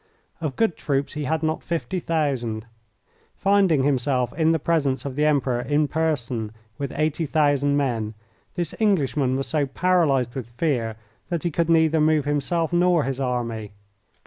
Of good troops he had not fifty thousand. Finding himself in the presence of the Emperor in person with eighty thousand men, this Englishman was so paralysed with fear that he could neither move himself nor his army.